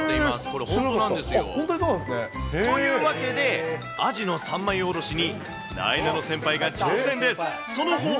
これ、本当なんですよ。というわけで、アジの３枚下ろしになえなの先輩が挑戦です。